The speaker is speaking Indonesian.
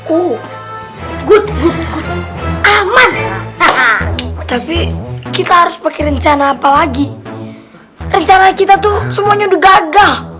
oh good aman tapi kita harus pakai rencana apalagi rencana kita tuh semuanya udah gagal